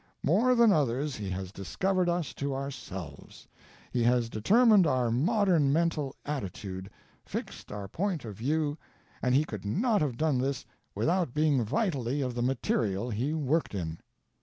More than others he has discovered us to ourselves; he has determined our modern mental attitude, fixed our point of view, and he could not have done with without being vitally of the material he worked in.